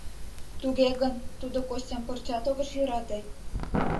Туге гын, тудо Костям пырчат огеш йӧрате.